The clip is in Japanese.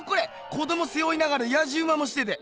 子どもせおいながらやじうまもしてて。